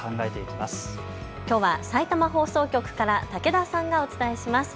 きょうはさいたま放送局から武田さんがお伝えします。